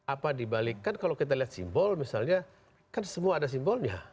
apa dibalikkan kalau kita lihat simbol misalnya kan semua ada simbolnya